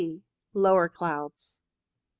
C. Lower clouds.